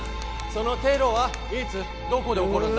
そのテロはいつどこで起こるんだ？